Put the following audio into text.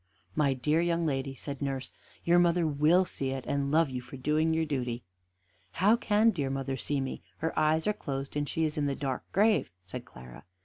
"My dear young lady," said nurse, "your mother will see it, and love you for doing your duty." "How can dear mother see me? Her eyes are closed, and she is in the dark grave," said Clara.